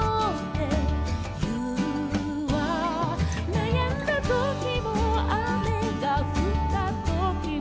「なやんだときも雨がふったときも」